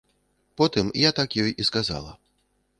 Потым я так ёй і сказала.